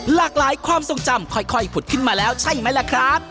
หลากหลายความทรงจำค่อยผุดขึ้นมาแล้วใช่ไหมล่ะครับ